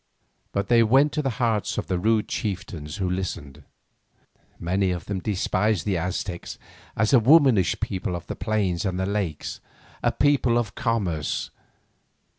But they went to the hearts of the rude chieftains who listened. Many of them despised the Aztecs as a womanish people of the plains and the lakes, a people of commerce.